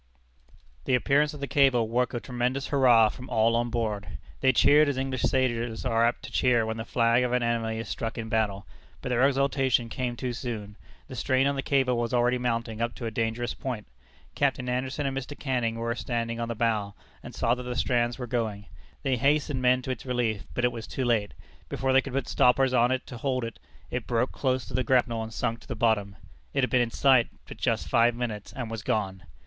The appearance of the cable woke a tremendous hurrah from all on board. They cheered as English sailors are apt to cheer when the flag of an enemy is struck in battle. But their exultation came too soon. The strain on the cable was already mounting up to a dangerous point. Capt. Anderson and Mr. Canning were standing on the bow, and saw that the strands were going. They hastened men to its relief, but it was too late. Before they could put stoppers on it to hold it, it broke close to the grapnel, and sunk to the bottom. It had been in sight but just five minutes, and was gone.